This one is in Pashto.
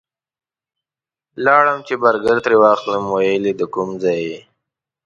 لاړم چې برګر ترې واخلم ویل یې د کوم ځای یې؟